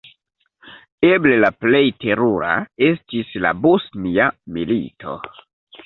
Eble la plej terura estis la Bosnia Milito.